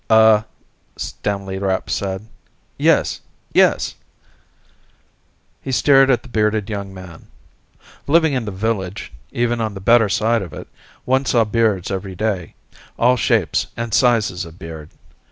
"Uh," Stanley Rapp said. "Yes. Yes." He stared at the bearded young man. Living in the Village, even on the better side of it, one saw beards every day, all shapes and sizes of beard.